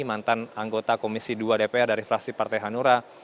mantan anggota komisi dua dpr dari fraksi partai hanura